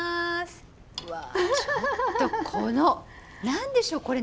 うわちょっとこの何でしょうこれ！